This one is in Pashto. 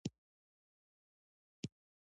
او ډېر پۀ وړوکوالي کښې د روزګار پۀ تالاش کښې